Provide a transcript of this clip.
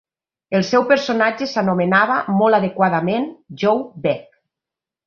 El seu personatge s'anomenava, molt adequadament, JoBeth.